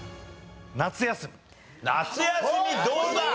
夏休みどうだ？